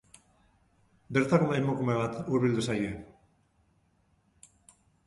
Bertako emakume bat hurbildu zaie.